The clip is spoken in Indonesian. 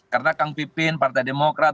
karena kang pipin partai demokrat